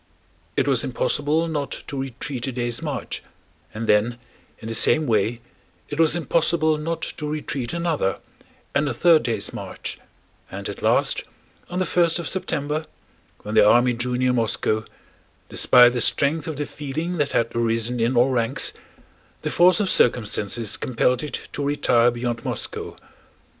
It was impossible not to retreat a day's march, and then in the same way it was impossible not to retreat another and a third day's march, and at last, on the first of September when the army drew near Moscow—despite the strength of the feeling that had arisen in all ranks—the force of circumstances compelled it to retire beyond Moscow.